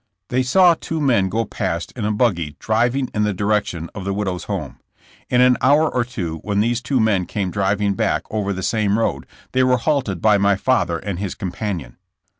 They saw two men go past in a buggy driv ing in the direction of the widow's home. In an hour or two when these two men came driving back over the same road they were halted by my father and his companion.